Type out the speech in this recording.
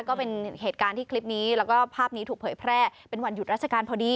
ก็เป็นเหตุการณ์ที่คลิปนี้แล้วก็ภาพนี้ถูกเผยแพร่เป็นวันหยุดราชการพอดี